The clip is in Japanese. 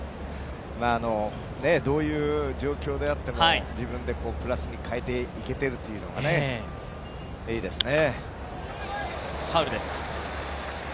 どういう状況であっても自分でプラスに変えていけているというのがいいですね。